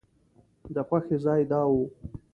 د خوښۍ ځای دا و.